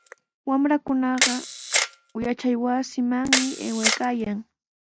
Wamrakunaqa yachaywasimanmi aywaykaayan.